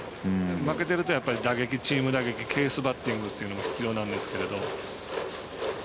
負けているとチーム打撃、ケースバッティングというのが必要になるんですけど。